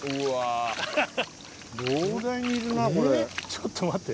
ちょっと待って。